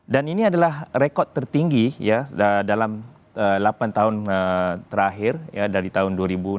dan ini adalah rekod tertinggi dalam delapan tahun terakhir dari tahun dua ribu enam belas